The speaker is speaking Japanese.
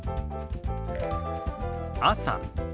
「朝」。